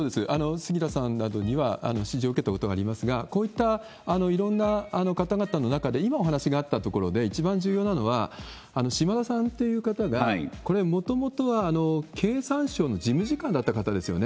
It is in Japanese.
杉田さんなどには指示を受けたことがありますが、こういったいろんな方々の中で、今お話があったところで一番重要なのは、しまださんっていう方がこれ、もともとは経産省の事務次官だった方ですよね。